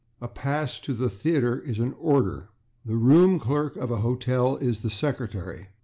A pass to the theatre is an /order/. The room clerk of a hotel is the /secretary